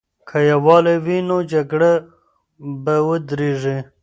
که یووالی وي، نو جګړه به ودریږي.